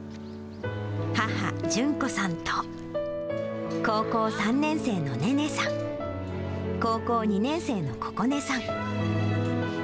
母、純子さんと、高校３年生のねねさん、高校２年生のここねさん。